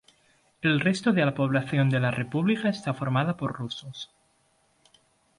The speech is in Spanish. El resto de la población de la república está formada por rusos.